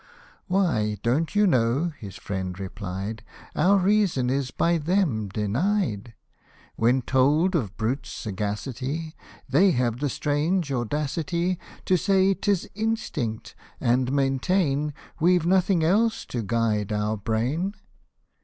" Why don't you know," his friend replied, " Our reason is by them denied ; When told of brute's sagacity, They have the strange audacity To say 'tis instinct, and maintain We've nothing else to guide our bi^in